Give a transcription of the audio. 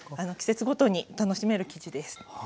季節ごとに楽しめる生地です。